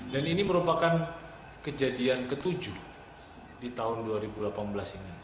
dan ini merupakan kejadian ketujuh di tahun dua ribu delapan belas ini